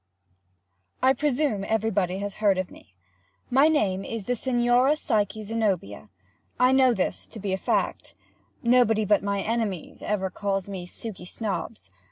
_ I presume everybody has heard of me. My name is the Signora Psyche Zenobia. This I know to be a fact. Nobody but my enemies ever calls me Suky Snobbs.